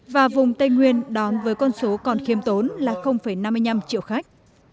và vùng tây nguyên đón với con số còn khiêm tốn là năm mươi năm triệu khách